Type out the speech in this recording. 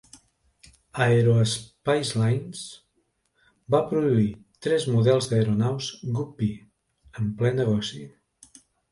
Aero Spacelines va produir tres models d'aeronaus Guppy en ple negoci.